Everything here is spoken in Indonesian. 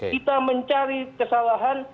kita mencari kesalahan